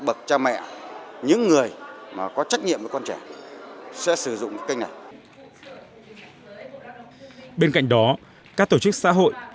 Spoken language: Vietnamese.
bậc cha mẹ những người mà có trách nhiệm với con trẻ sẽ sử dụng kênh này bên cạnh đó các tổ chức xã hội